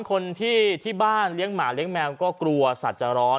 คนที่ที่บ้านเลี้ยงหมาเลี้ยงแมวก็กลัวสัตว์จะร้อน